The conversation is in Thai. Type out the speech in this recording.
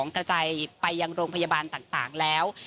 กระจายไปยังโรงพยาบาลต่างแล้ว